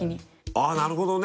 あなるほどね！